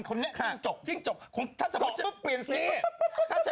ผมคุยมิกี่พักอ่ะ